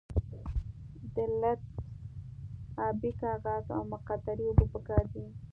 د لتمس ابي کاغذ او مقطرې اوبه پکار دي.